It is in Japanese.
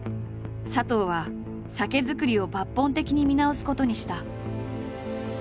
佐藤は酒造りを抜本的に見直すことにした。